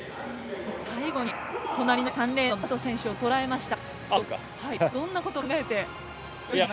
最後に隣の３レーンのベッジャート選手をとらえました。